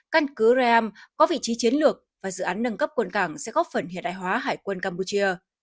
căn cứ raam có vị trí chiến lược và dự án nâng cấp quân cảng sẽ góp phần hiện đại hóa hải quân campuchia